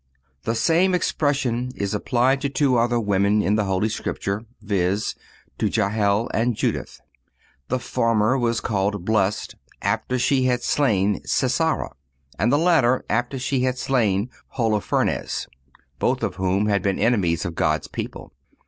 __"_ The same expression is applied to two other women in the Holy Scripture—viz., to Jahel and Judith. The former was called blessed after she had slain Sisara,(244) and the latter after she had slain Holofernes,(245) both of whom had been enemies of God's people.